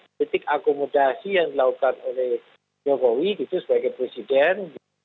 kritik akomodasi yang dilakukan oleh jokowi gitu sebagai presiden